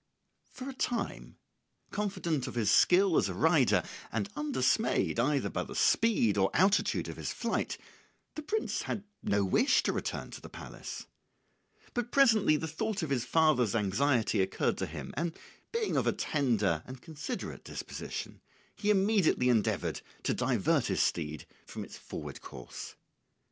For a time, confident of his skill as a rider and undismayed either by the speed or altitude of his flight, the prince had no wish to return to the palace; but presently the thought of his father's anxiety occurred to him, and being of a tender and considerate disposition he immediately endeavoured to divert his steed from its forward course.